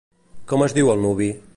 Com es diu el nuvi?